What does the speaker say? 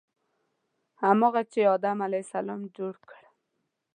هماغه چې آدم علیه السلام جوړ کړ.